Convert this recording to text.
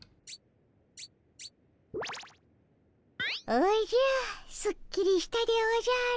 おじゃすっきりしたでおじゃる。